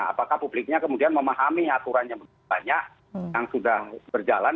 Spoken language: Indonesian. apakah publiknya kemudian memahami aturan yang banyak yang sudah berjalan